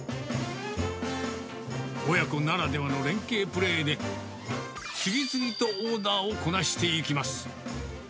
親子ならではの連係プレーで、次々とオーダーをこなしていきます。